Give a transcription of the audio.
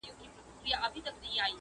خوب ته راتللې او پر زړه مي اورېدلې اشنا؛